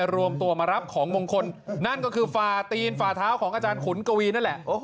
รวมตัวมารับของมงคลนั่นก็คือฝ่าตีนฝ่าเท้าของอาจารย์ขุนกวีนั่นแหละ